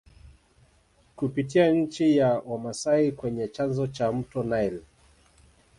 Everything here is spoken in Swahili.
Kupitia nchi ya Wamasai kwenye chanzo cha mto Nile